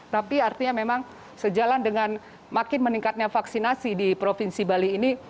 tapi artinya memang sejalan dengan makin meningkatnya vaksinasi di provinsi bali ini